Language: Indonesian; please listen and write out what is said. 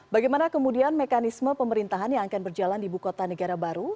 bagaimana kemudian mekanisme pemerintahan yang akan berjalan di ibu kota negara baru